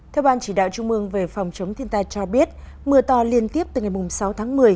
theo ban chỉ đạo trung mương về phòng chống thiên tai cho biết mưa to liên tiếp từ ngày sáu tháng một mươi